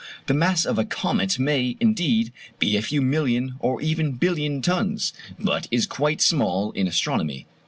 The mass of a comet may, indeed, be a few million or even billion tons; but that is quite small in astronomy.